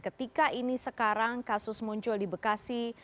ketika ini sekarang kasus muncul di bekasi